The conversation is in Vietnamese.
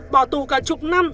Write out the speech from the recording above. bỏ tù cả chục năm